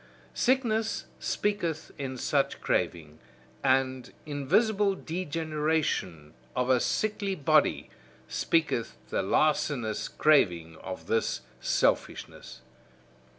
Sickness speaketh in such craving, and invisible degeneration; of a sickly body, speaketh the larcenous craving of this selfishness.